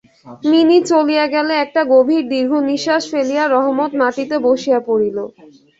Mini চলিয়া গেলে একটা গভীর দীর্ঘনিশ্বাস ফেলিয়া রহমত মাটিতে বসিয়া পড়িল।